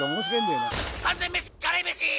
完全メシカレーメシ！